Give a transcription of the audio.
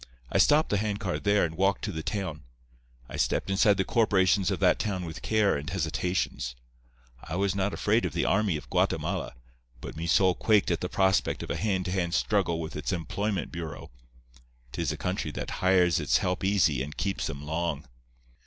I stopped the hand car there and walked to the town. I stepped inside the corporations of that town with care and hesitations. I was not afraid of the army of Guatemala, but me soul quaked at the prospect of a hand to hand struggle with its employment bureau. 'Tis a country that hires its help easy and keeps 'em long.